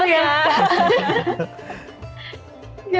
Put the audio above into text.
wah siap diunggu ya